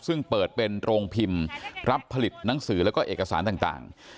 ซึ่งเปิดเป็นโรงพิมพ์รับผลิตหนังสือแล้วก็เอกสารต่าง